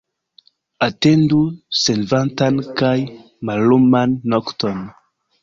Atendu senventan kaj malluman nokton.